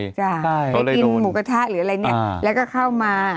ไปกินหมูกระทะหรืออะไรเนี่ยแล้วก็เข้ามา